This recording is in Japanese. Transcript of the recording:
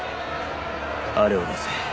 あれを出せ。